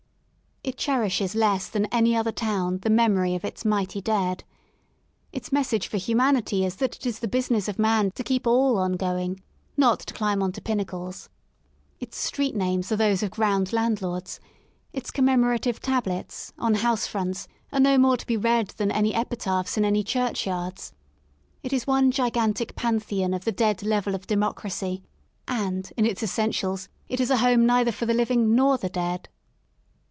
it cherishes less than any other town the memory of its mighty dead. Its message for humanity is that it is the business of man to keep all on going, not to climb on to pinnacles. Its street names are those of ground landlords ; its commemorative tablets, on house fronts, are no more to be read than any epitaphs in any churchyards It is one gigantic pantheon of the dead level of democracy ; and, in its essentials it is a home neither for the living nor the dead.